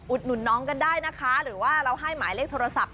หนุนน้องกันได้นะคะหรือว่าเราให้หมายเลขโทรศัพท์